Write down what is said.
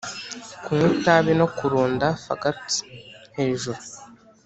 kunywa itabi no kurunda fagots hejuru,